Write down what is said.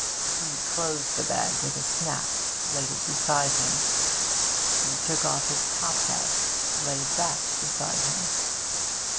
He closed the bag with a snap, laid it beside him. He took off his top hat, laid that beside him.